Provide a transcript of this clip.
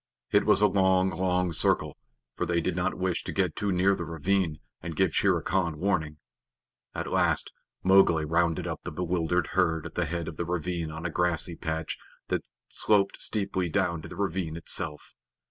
It was a long, long circle, for they did not wish to get too near the ravine and give Shere Khan warning. At last Mowgli rounded up the bewildered herd at the head of the ravine on a grassy patch that sloped steeply down to the ravine itself.